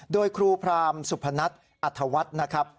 โดยครูพรามสุพนัทอัธวัฒน์นะครับ